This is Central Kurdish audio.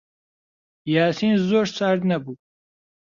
یاسین زۆر سارد نەبوو.